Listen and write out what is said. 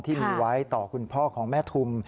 ที่มีไว้ต่อคุณพ่อของแม่ทุม